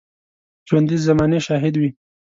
ژوندي د زمانې شاهد وي